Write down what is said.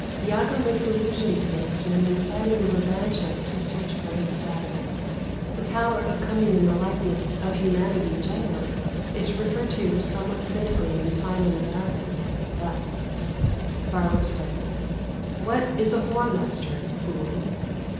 Iago makes allusion to this when inciting Brabantio to search for his daughter. The power of coming in the likeness of humanity generally is referred to somewhat cynically in "Timon of Athens," thus "Varro's Servant. What is a whoremaster, fool?